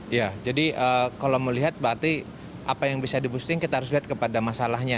iya jadi kalau melihat berarti apa yang bisa di boosting kita harus lihat kepada masalahnya